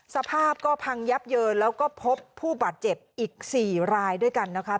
สภาพก็พังยับเยินแล้วก็พบผู้บาดเจ็บอีก๔รายด้วยกันนะคะ